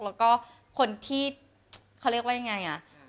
แล้วก็คนที่เขาเรียกว่ายังไงอ่ะ